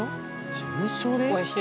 事務所で？